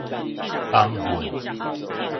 囥歲